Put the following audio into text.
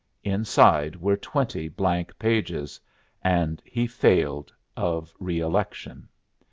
Inside were twenty blank pages, and he failed of re election.